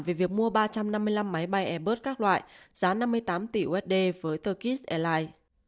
về việc mua ba trăm năm mươi năm máy bay airbus các loại giá năm mươi tám tỷ usd với turkis airlines